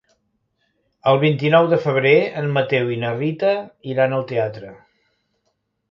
El vint-i-nou de febrer en Mateu i na Rita iran al teatre.